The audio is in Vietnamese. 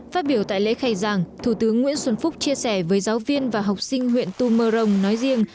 phát biểu tại lễ khai giảng thủ tướng nguyễn xuân phúc chia sẻ với giáo viên và học sinh huyện tumorong nói riêng